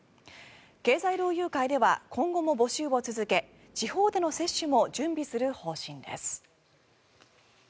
経済同友会では今後も募集を続け地方での接種も準備する方針です。